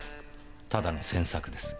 ただの詮索です。